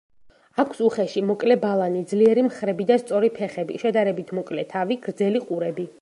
აქვს უხეში, მოკლე ბალანი, ძლიერი მხრები და სწორი ფეხები, შედარებით მოკლე თავი, გრძელი ყურები.